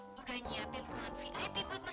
tidak jepang tidak ada apa apa